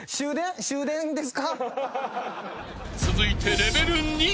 ［続いてレベル２。